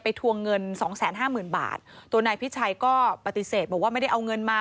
ทวงเงินสองแสนห้าหมื่นบาทตัวนายพิชัยก็ปฏิเสธบอกว่าไม่ได้เอาเงินมา